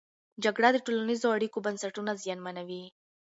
جګړه د ټولنیزو اړیکو بنسټونه زیانمنوي.